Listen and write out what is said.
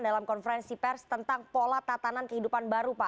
dalam konferensi pers tentang pola tatanan kehidupan baru pak